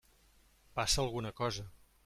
Passa alguna cosa.